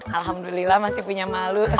alhamdulillah masih punya malu